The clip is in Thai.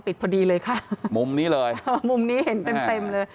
ปิดพอดีเลยค่ะมุมนี้เห็นเต็มเลย